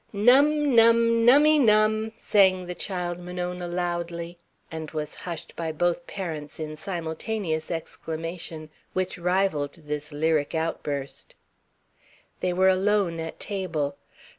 "Num, num, nummy num!" sang the child Monona loudly, and was hushed by both parents in simultaneous exclamation which rivalled this lyric outburst. They were alone at table.